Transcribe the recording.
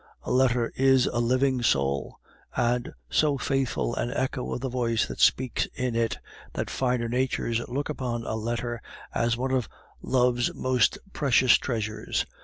A letter is a living soul, and so faithful an echo of the voice that speaks in it, that finer natures look upon a letter as one of love's most precious treasures.